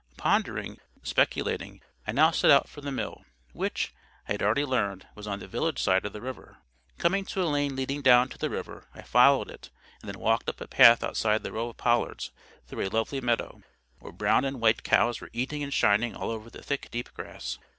Pondering, speculating, I now set out for the mill, which, I had already learned, was on the village side of the river. Coming to a lane leading down to the river, I followed it, and then walked up a path outside the row of pollards, through a lovely meadow, where brown and white cows were eating and shining all over the thick deep grass.